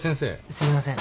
すいません。